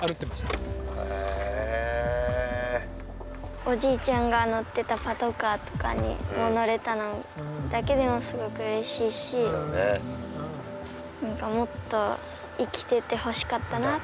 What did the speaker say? おじいちゃんが乗ってたパトカーとかに乗れたのだけでもすごくうれしいし何かもっと生きててほしかったなって。